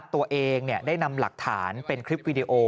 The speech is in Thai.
ตัวเองได้นำหลักฐานเป็นคลิปวีดีโอ